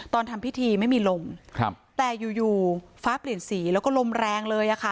ทำพิธีไม่มีลมครับแต่อยู่อยู่ฟ้าเปลี่ยนสีแล้วก็ลมแรงเลยอะค่ะ